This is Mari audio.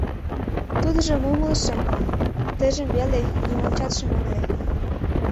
— Тудыжым умылышым, тыйжым веле нимончат шым ыҥле.